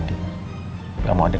nah ki dance bastards